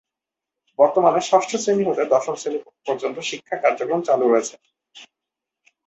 বর্তমানে ষষ্ঠ শ্রেণী হতে দশম শ্রেণী পর্যন্ত শিক্ষা কার্যক্রম চালু রয়েছে।